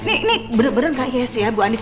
ini bener bener gak yes ya bu anies